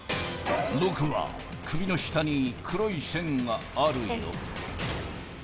僕は首の下に黒い線があるよ